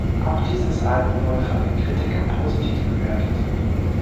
Auch dieses Album wurde von den Kritikern positiv bewertet.